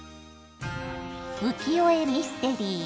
「浮世絵ミステリー」。